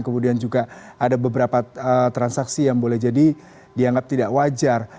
kemudian juga ada beberapa transaksi yang boleh jadi dianggap tidak wajar